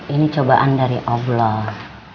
ini cobaan dari allah